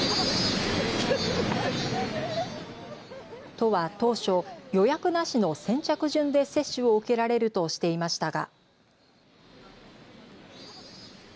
都は当初、予約なしの先着順で接種を受けられるとしていましたが。